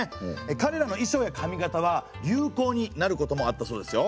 かれらの衣装や髪形は流行になることもあったそうですよ。